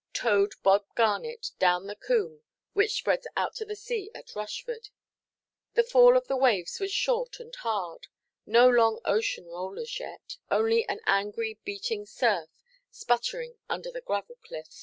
—towed Bob Garnet down the combe which spreads out to the sea at Rushford. The fall of the waves was short and hard—no long ocean rollers yet, only an angry beating surf, sputtering under the gravel–cliff.